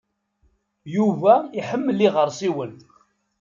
Yuba iḥemmel iɣersiwen.